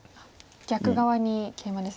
逆側にケイマですね。